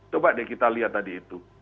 coba deh kita lihat tadi itu